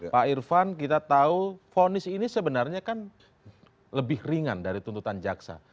pak irfan kita tahu fonis ini sebenarnya kan lebih ringan dari tuntutan jaksa